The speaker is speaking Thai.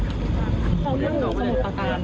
เขาอยู่สมุดปราการ